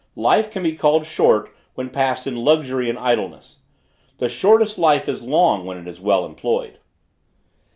Life can be called short when passed in luxury and idleness. The shortest life is long when it is well employed.